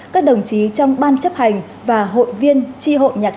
các đồng chí trong ban chấp hành và hội viên chi hội nhạc sĩ công an nhân dân